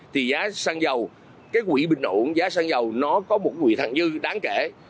thì giá xăng dầu cái quỹ bình ổn giá xăng dầu nó có một người thẳng dư đáng kể